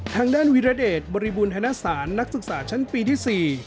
ทางด้านวิรเดชบริบูรณธนสารนักศึกษาชั้นปีที่๔